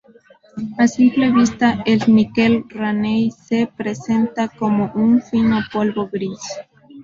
A simple vista, el níquel Raney se presenta como un fino polvo gris.